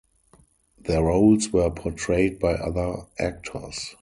Their roles were portrayed by other actors.